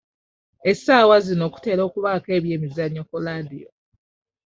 Essaawa zino kutera okubaako ebyemizannyo ku laadiyo.